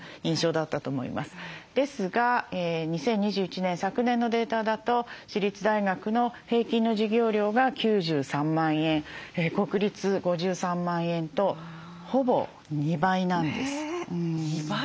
ですが２０２１年昨年のデータだと私立大学の平均の授業料が９３万円国立５３万円とほぼ２倍なんです。